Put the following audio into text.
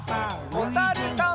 おさるさん。